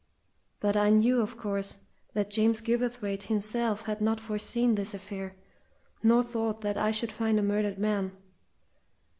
But I knew, of course, that James Gilverthwaite himself had not foreseen this affair, nor thought that I should find a murdered man.